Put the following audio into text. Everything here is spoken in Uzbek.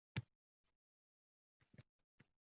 — yerini tortib olishgan edi.